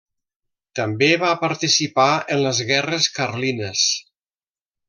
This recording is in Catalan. També va participar en les guerres Carlines.